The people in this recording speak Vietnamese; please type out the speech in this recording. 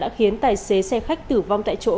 đã khiến tài xế xe khách tử vong tại chỗ